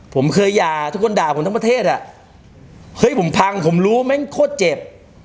ผมเคยยาทุกคนด่าผมทั้งประเทศผมพังผมรู้แม่งโคตรเจ็บ